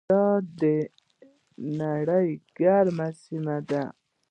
دا د نړۍ ګرمې سیمې دي.